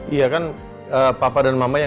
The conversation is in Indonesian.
iya kan papa dan mama yang